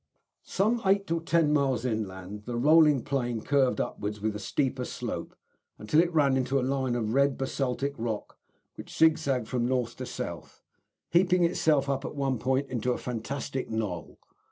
Some eight or ten miles inland the rolling plain curved upwards with a steeper slope until it ran into a line of red basaltic rock which zigzagged from north to south, heaping itself up at one point into a fantastic knoll.